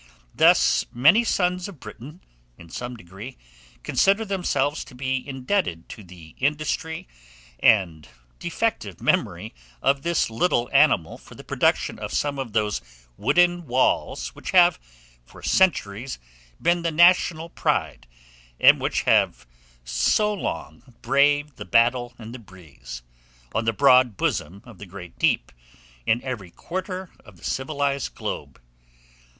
Thus may the sons of Britain, in some degree, consider themselves to be indebted to the industry and defective memory of this little animal for the production of some of those "wooden walls" which have, for centuries, been the national pride, and which have so long "braved the battle and the breeze" on the broad bosom of the great deep, in every quarter of the civilized globe.